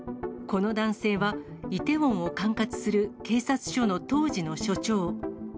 この男性は、イテウォンを管轄する警察署の当時の署長。